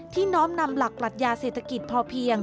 น้อมนำหลักปรัชญาเศรษฐกิจพอเพียง